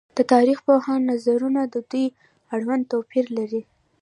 د تاريخ پوهانو نظرونه د دوی اړوند توپير لري